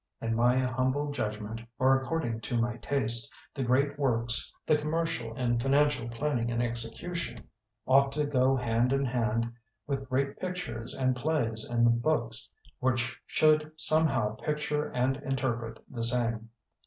In my humble judgment, or according to my taste, the great works, the great commercial and financial planning and execution, ought to go hand in hand with great pictures and plays and books which should somehow picture and interpret the same.